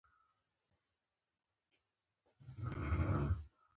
نن کولای شو فقر له ګڼو نورو لیدلوریو وڅېړو.